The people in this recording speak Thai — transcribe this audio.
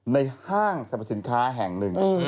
ห้างสรรพสินค้าแห่งหนึ่ง